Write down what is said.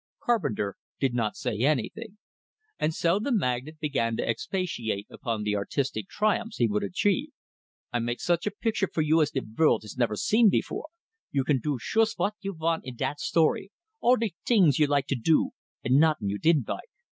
Carpenter did not say anything, and so the magnate began to expatiate upon the artistic triumphs he would achieve. "I make such a picture fer you as de vorld never seen before. You can do shoost vot you vant in dat story all de tings you like to do, and nuttin' you didn't like.